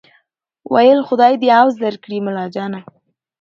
ویل خدای دي عوض درکړي ملاجانه